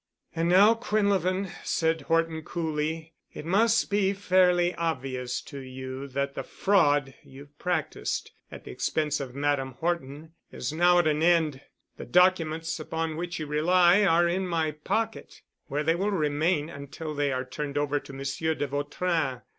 "And now, Quinlevin," said Horton coolly, "it must be fairly obvious to you that the fraud you've practiced at the expense of Madame Horton is now at an end. The documents upon which you rely are in my pocket, where they will remain until they are turned over to Monsieur de Vautrin.